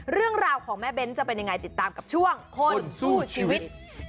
เรื่องราวของแม่เบ้นจะเป็นยังไงติดตามกับช่วงคนสู้ชีวิต